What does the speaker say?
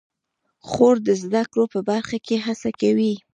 خور د زده کړو په برخه کې هڅه کوي.